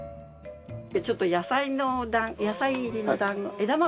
ちょっと野菜の野菜入りの団子。